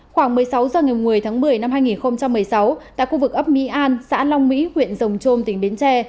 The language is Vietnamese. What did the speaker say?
khoảng một mươi sáu h ngày một mươi tháng một mươi năm hai nghìn một mươi sáu tại khu vực ấp mỹ an xã long mỹ huyện rồng trôm tỉnh bến tre